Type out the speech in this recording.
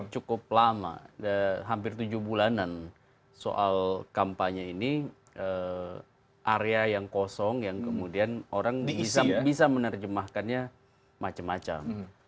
cukup lama hampir tujuh bulanan soal kampanye ini area yang kosong yang kemudian orang bisa menerjemahkannya macam macam